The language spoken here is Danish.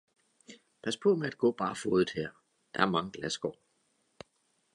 Pas på med at gå barfodet her, der er mange glasskår.